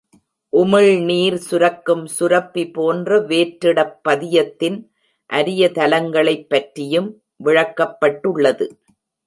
உமிழ்நீர் சுரக்கும் சுரப்பி போன்ற வேற்றிடப் பதியத்தின் அரிய தலங்களை பற்றியும் விளக்கப்பட்டுள்ளது.